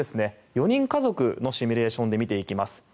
４人家族のシミュレーションで見ていきます。